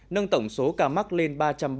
nâng tổng số ca mắc lên ba trăm ba mươi ca